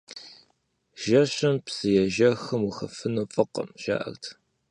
Жэщым псыежэхым ухэфыну фӀыкъым, жаӀэрт.